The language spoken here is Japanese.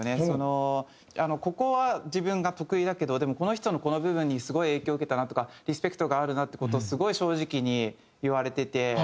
そのここは自分が得意だけどでもこの人のこの部分にすごい影響受けたなとかリスペクトがあるなっていう事をすごい正直に言われてて。